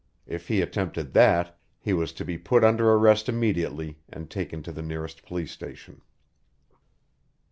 If he attempted that, he was to be put under arrest immediately and taken to the nearest police station.